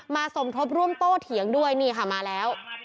สมทบร่วมโตเถียงด้วยนี่ค่ะมาแล้ว